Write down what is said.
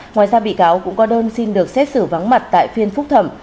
ngoài ra bị cáo cũng có đơn xin được xét xử vắng mặt tại phiên phúc thẩm